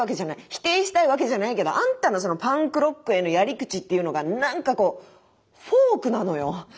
否定したいわけじゃないけどあんたのそのパンクロックへのやり口っていうのがなんかこうフォークなのよ。